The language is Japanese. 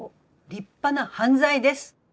立派な犯罪です。